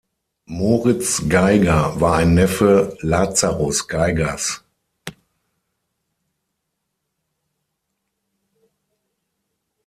Moritz Geiger war ein Neffe Lazarus Geigers.